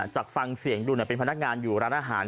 จากฟังเสียงดูเป็นพนักงานอยู่ร้านอาหาร